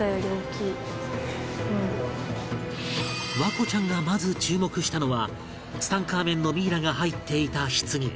環子ちゃんがまず注目したのはツタンカーメンのミイラが入っていた棺